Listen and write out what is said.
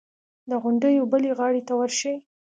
د غونډیو بلې غاړې ته ورشي.